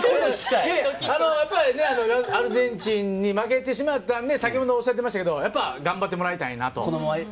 やっぱりアルゼンチンに負けてしまったんで、先ほどおっしゃってましたが、頑張ってもらいたいなと。